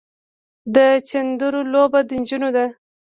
د چيندرو لوبه د نجونو ده.